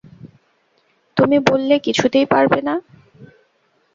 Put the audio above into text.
তুমি বললে, কিছুতেই পারবে না।